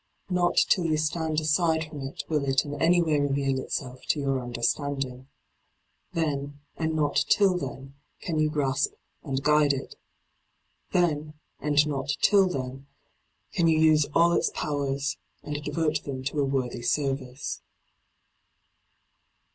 Not till you stand aside from it will it in any way reveal itself to your understanding. Then, and not till then, can you grasp and guide it Then, and not till then, can you use all its powers, and devote them to a worthy service.